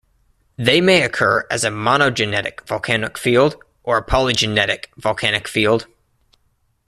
They may occur as a monogenetic volcanic field or a polygenetic volcanic field.